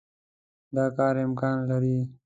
دا کار امکان لري.